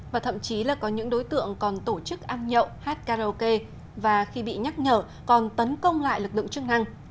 và thậm chí là có những đối tượng còn tổ chức ăn nhậu hát karaoke và khi bị nhắc nhở còn tấn công lại lực lượng chức năng